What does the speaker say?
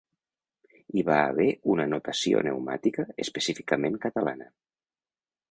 Hi va haver una notació neumàtica específicament catalana.